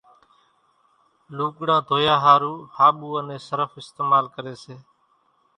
لُوڳڙان ڌويا ۿارُو ۿاٻُو انين صرڦ اِستمال ڪريَ سي۔